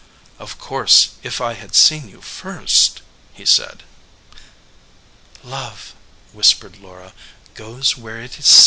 "Of course, if I had seen you first " he said. "Love," whispered Laura, "goes where it is sent."